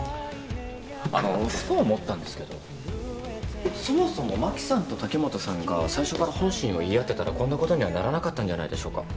あのふと思ったんですけどそもそも真紀さんと滝本さんが最初から本心を言い合ってたらこんなことにはならなかったんじゃないでしょうか？